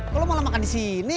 kok lo malah makan di sini